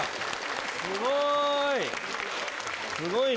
すごい。